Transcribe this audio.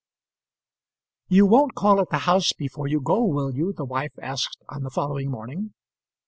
"You won't call at the house before you go, will you?" the wife asked on the following morning.